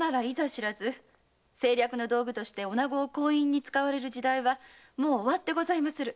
知らず政略の道具として女子を婚姻に使われる時代はもう終わってございまする。